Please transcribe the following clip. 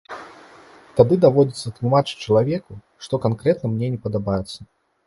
Тады даводзіцца тлумачыць чалавеку, што канкрэтна мне не падабаецца.